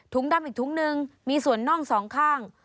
ถุงดำอีกถุงหนึ่งมีส่วนน่อง๒ข้าง